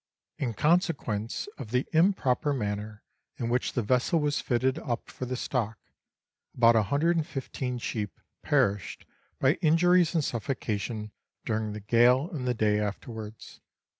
In consequence of the improper manner in which the vessel was fitted up for the stock, about 115 sheep perished by injuries and suffocation during the gale and the day afterwards.